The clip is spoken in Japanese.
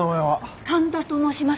神田と申します。